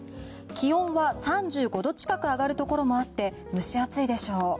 気温は３５度近く上がるところもあって蒸し暑いでしょう。